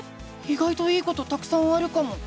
いがいといいことたくさんあるかも！